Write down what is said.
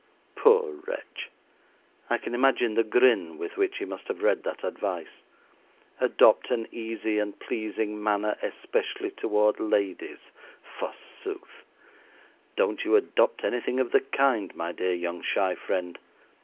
Poor wretch! I can imagine the grin with which he must have read that advice. "Adopt an easy and pleasing manner, especially toward ladies," forsooth! Don't you adopt anything of the kind, my dear young shy friend.